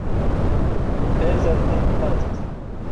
ایں زرتی پان٘ژ تھی: